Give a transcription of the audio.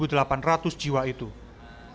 bagaimana cara untuk memperbaiki keuntungan